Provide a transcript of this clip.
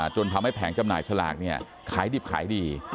จนทำให้แผงจำหน่ายสลากขายดิบขายดี